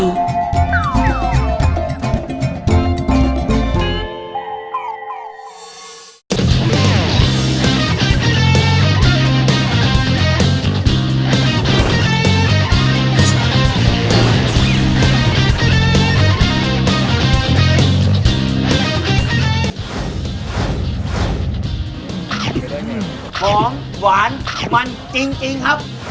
อืมหอมหวานมันจริงจริงครับ